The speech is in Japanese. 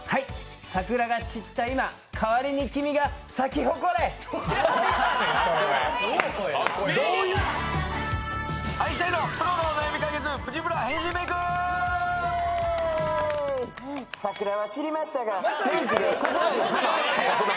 桜が散った今代わりに君が咲き誇れ！